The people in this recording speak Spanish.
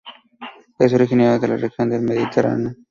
Es originario de la región del Mediterráneo.